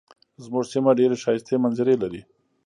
زمونږ سیمه ډیرې ښایسته منظرې لري.